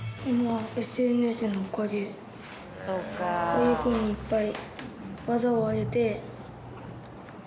こういうふうにいっぱい。